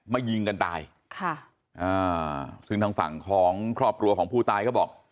ยิงกันตายค่ะอ่าซึ่งทางฝั่งของครอบครัวของผู้ตายเขาบอก